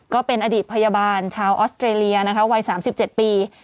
ก็เป็นอดีตพยาบาลชาวออสเตรเลียนะคะวัย๓๗ปี